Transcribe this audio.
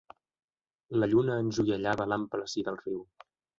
La lluna enjoiellava l'ample si del riu.